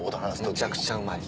めちゃくちゃうまい。